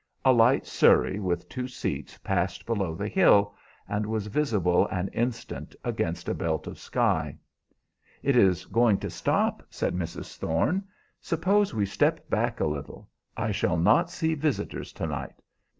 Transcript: A light surrey with two seats passed below the hill, and was visible an instant against a belt of sky. "It is going to stop," said Mrs. Thorne. "Suppose we step back a little. I shall not see visitors to night.